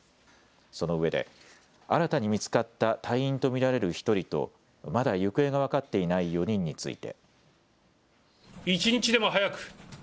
そのうえで新たに見つかった隊員と見られる１人とまだ行方が分かっていない４人について。